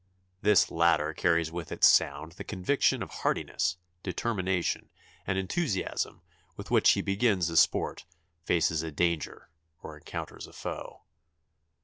This latter carries with its sound the conviction of heartiness, determination, and enthusiasm with which he begins a sport, faces a danger, or encounters a foe.